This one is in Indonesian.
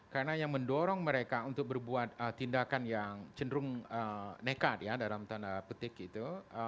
karena yang mendorong mereka untuk berbuat tindakan yang cenderung nekat ya dalam tanda petik itu